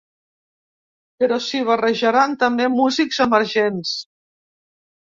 Però s’hi barrejaran també músics emergents.